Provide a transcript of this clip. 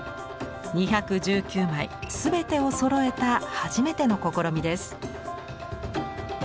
２１９枚全てをそろえた初めての試みです。